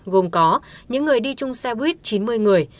gồm có những người đi chung xe buýt chín mươi người